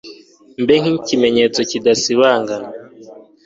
mbe nk'ikimenyetso kidasibangana